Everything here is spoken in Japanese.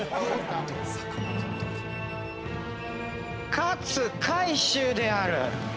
勝海舟である！